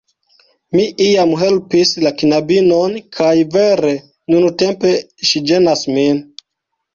Mi iam helpis la knabinon, kaj vere nuntempe ŝi ĝenas min.